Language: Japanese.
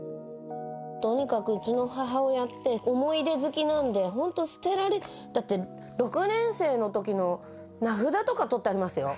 とにかくうちの母親って、思い出好きなんで、本当、だって、６年生のときの名札とか取ってありますよ。